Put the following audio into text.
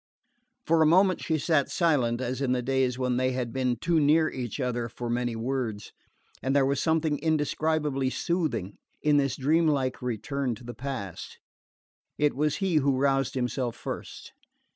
For a moment she sat silent, as in the days when they had been too near each other for many words; and there was something indescribably soothing in this dreamlike return to the past. It was he who roused himself first.